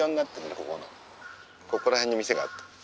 ここら辺に店があった。